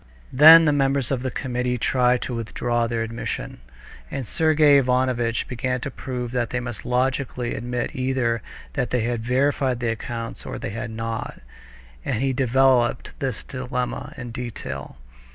Then the members of the committee tried to withdraw their admission, and Sergey Ivanovitch began to prove that they must logically admit either that they had verified the accounts or that they had not, and he developed this dilemma in detail.